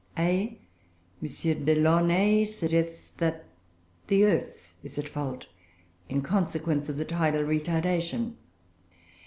(a.) M. Delaunay suggests that the earth is at fault, in consequence of the tidal retardation.